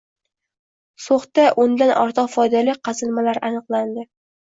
So‘xda o‘ndan ortiq foydali qazilmalar aniqlandi